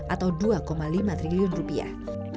atau dua lima triliun rupiah